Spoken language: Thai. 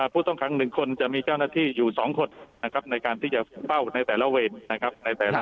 ผู้ต้องขัง๑คนจะมีเจ้าหน้าที่อยู่๒คนนะครับในการที่จะเฝ้าในแต่ละเวรนะครับ